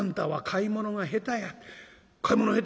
『買い物が下手や。